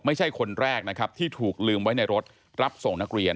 ไม่ใช่คนแรกนะครับที่ถูกลืมไว้ในรถรับส่งนักเรียน